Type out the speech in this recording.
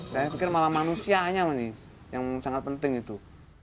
saya pikir malah manusianya yang sangat penting itu